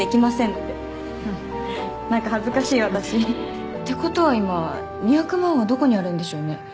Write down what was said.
ってなんか恥ずかしい私ってことは今２００万はどこにあるんでしょうね？